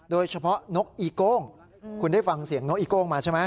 โดยเฉพาะนกอีโก้งคุณได้ฟังเสียงนกอีโก้งมาใช่ไหม